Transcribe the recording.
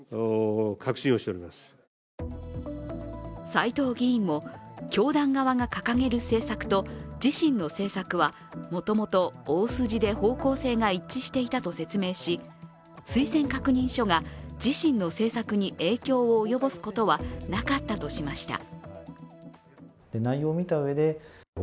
斎藤議員も教団側が掲げる政策と自身の政策はもともと大筋で方向性が一致していたと説明し推薦確認書が自身の政策に影響を及ぼすことはなかったとしました。